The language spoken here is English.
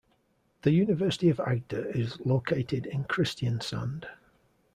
The University of Agder is located in Kristiansand.